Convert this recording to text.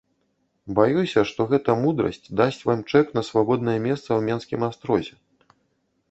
Баюся, што гэта мудрасць дасць вам чэк на свабоднае месца ў менскім астрозе.